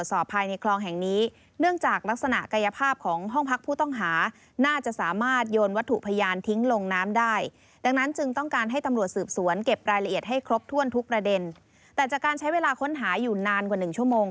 ใช้เวลาค้นหาอยู่นานกว่า๑ชั่วโมง